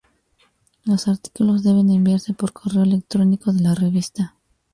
Los artículos deben enviarse por correo electrónico de la Revista.